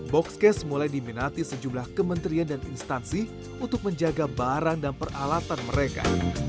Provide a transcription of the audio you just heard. boxcase mulai diminati sejumlah kementerian dan instansi untuk menjaga barang dan peralatan mereka